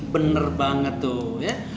bener banget tuh ya